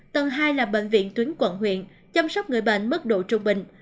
tầng hai là bệnh viện tuyến quận huyện chăm sóc người bệnh mức độ trung bình